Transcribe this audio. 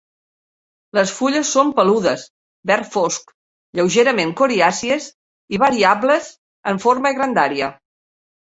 Les fulles són peludes, verd fosc, lleugerament coriàcies i variables en forma i grandària.